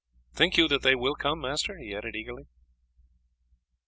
Think you that they will come, master?" he added eagerly.